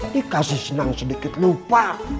dikasih senang sedikit lupa